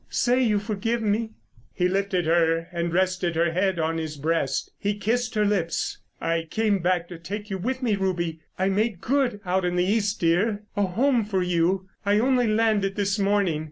Say you forgive me." He lifted her and rested her head on his breast. He kissed her lips. "I came back to take you with me, Ruby. I made good out in the East, dear. A home for you. I only landed this morning.